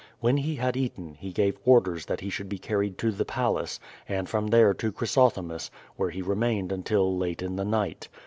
When he had eaten, he gave orders that he should be carried to the Palace, and from there to Chrysothemis, where he remained until late in the night.